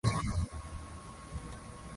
ya kwanza kwenda njia nyingine ya pili